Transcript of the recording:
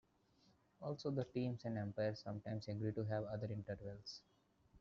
Also, the teams and umpires sometimes agree to have other intervals.